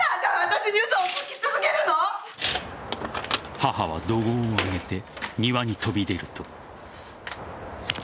母は怒号を上げて庭に飛び出ると。